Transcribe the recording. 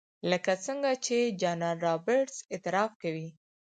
لکه څنګه چې جنرال رابرټس اعتراف کوي.